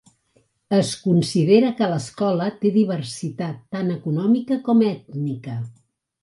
Es considera que l'escola té diversitat tant econòmica com ètnica.